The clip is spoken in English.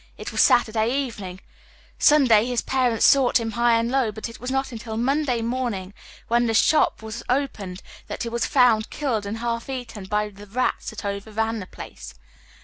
It was Saturday evening, Sunday his parents sought him high and low ; but it was not until Monday morning, when the shop was opened, that he was found, killed and half eaten by the rats that overi an the place.